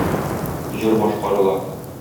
Җыр башкарыла.